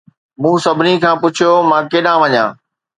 مون سڀني کان پڇيو، "مان ڪيڏانهن وڃان؟"